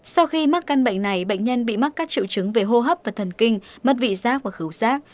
sau khi mắc căn bệnh này bệnh nhân bị mắc các triệu chứng về hô hấp và thần kinh mất vị giác và cứu giác